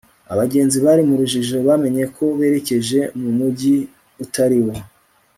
abagenzi bari mu rujijo bamenye ko berekeje mu mujyi utari wo